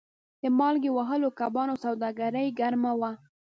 د مالګې وهلو کبانو سوداګري ګرمه وه.